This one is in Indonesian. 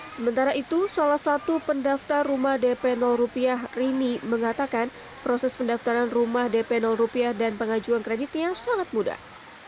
sementara itu salah satu pendaftar rumah dp rupiah rini mengatakan proses pendaftaran rumah dp rupiah dan pengajuan kreditnya sangat mudah